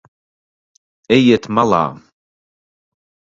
Ejiet malā.